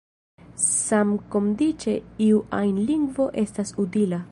Samkondiĉe iu ajn lingvo estas utila.